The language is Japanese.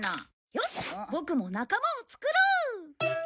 よしボクも仲間をつくろう！